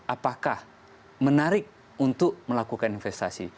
apakah menarik untuk melakukan investasi